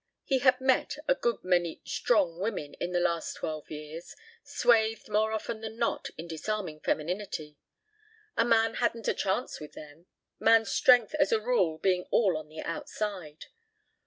He had met a good many "strong" women in the last twelve years, swathed, more often than not, in disarming femininity. A man hadn't a chance with them, man's strength as a rule being all on the outside.